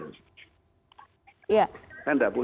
kan tidak boleh bukan